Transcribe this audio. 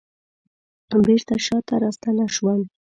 بیرته شاته راستنه شوم